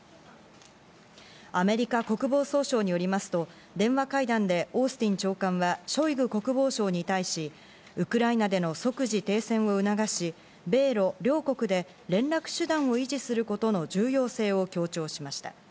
アメリカ国防総省によりますと、電話会談でオースティン長官はショイグ国防相に対し、ウクライナでの即時停戦を促し、米ロ両国で連絡手段を維持することの重要性を強調しました。